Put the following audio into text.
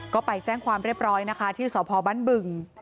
ก็ไปแจ้งความเรียบร้อยที่สภบันบึง